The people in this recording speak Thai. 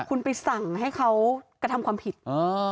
คุณไปสั่งให้เขากระทำความผิด